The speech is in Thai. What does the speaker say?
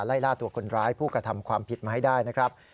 ไล่ล่าตัวคนร้ายผู้กระทำความผิดมาให้ได้นะครับ